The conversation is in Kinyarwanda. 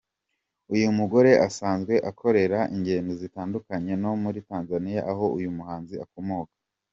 Uyu mugore asanzwe akorera ingendo zitandukanye no muri Tanzania aho uyu muhanzi akomoka.